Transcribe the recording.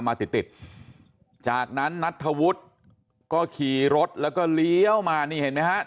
มาติดติดจากนั้นนัทธวุฒิก็ขี่รถแล้วก็เลี้ยวมานี่เห็นไหมฮะ